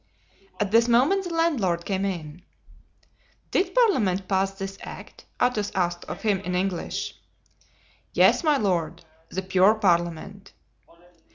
At this moment the landlord came in. "Did parliament pass this act?" Athos asked of him in English. "Yes, my lord, the pure parliament."